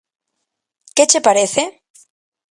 Que che parece?